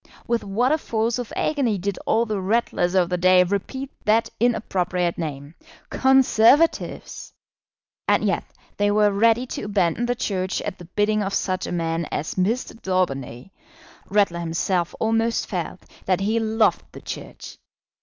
With what a force of agony did all the Ratlers of the day repeat that inappropriate name! Conservatives! And yet they were ready to abandon the Church at the bidding of such a man as Mr. Daubeny! Ratler himself almost felt that he loved the Church.